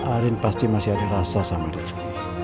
arin pasti masih ada rasa sama richard